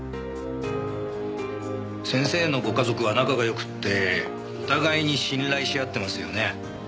先生のご家族は仲が良くてお互いに信頼し合ってますよね。